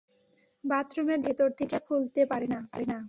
বাথরুমের দরজা ভেতর থেকে খুলতে পারে না।